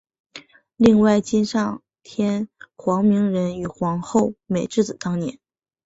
另外今上天皇明仁与皇后美智子当年。